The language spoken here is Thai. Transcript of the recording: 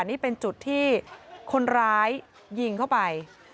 นี่เป็นจุดที่คนร้ายยิงเข้าไป